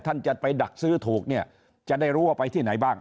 ท่านจะไปดักซื้อถูกเนี่ยจะได้รู้ว่าไปที่ไหนบ้าง